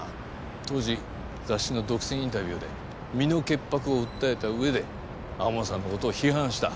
当時雑誌の独占インタビューで身の潔白を訴えた上で天羽さんの事を批判した。